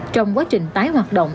trong quá trình tái hoạt động